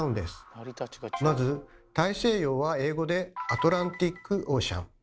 まず大西洋は英語で「アトランティック・オーシャン」。